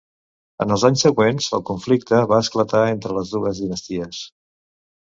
En els anys següents el conflicte va esclatar entre les dues dinasties.